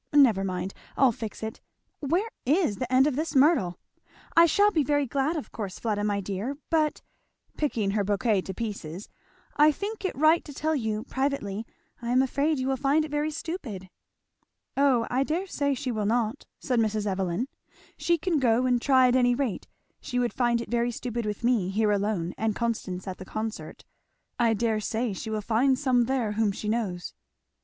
never mind I'll fix it where _is _ the end of this myrtle? I shall be very glad, of course, Fleda my dear, but " picking her bouquet to pieces, "I think it right to tell you, privately, I am afraid you will find it very stupid " "O I dare say she will not," said Mrs. Evelyn, "she can go and try at any rate she would find it very stupid with me here alone and Constance at the concert I dare say she will find some there whom she knows."